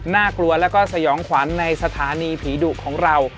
น่ากลัวแล้วก็สยองขวัญในสถานีผีดุของเรา